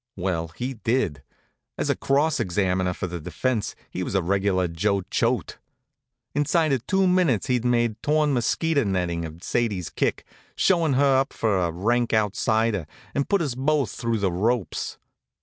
Well, he did. As a cross examiner for the defense he was a regular Joe Choate. Inside of two minutes he'd made torn mosquito netting of Sadie's kick, shown her up for a rank outsider, and put us both through the ropes.